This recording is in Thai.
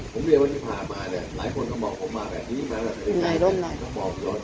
ผมเรียนว่าที่ผ่านมาเนี่ยหลายคนก็บอกผมมาแบบนี้มาแบบ